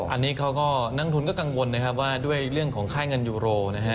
อันนี้เขาก็นักทุนก็กังวลนะครับว่าด้วยเรื่องของค่ายเงินยูโรนะฮะ